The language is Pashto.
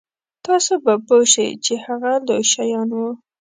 تاسو به پوه شئ چې هغه لوی شیان وو.